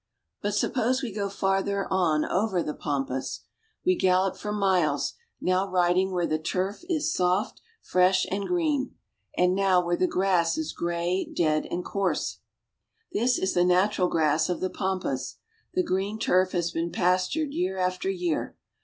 But suppose we go farther on over the pampas. We gallop for miles, now riding where the turf is soft, fresh, and green, and now where the grass is gray, dead, and coarse. LIFE ON THE PAMPAS. 177 This is the natural grass of the pampas. The green turf has been pastured year after year.